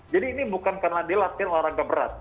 jadi ini bukan karena dia latihan olahraga berat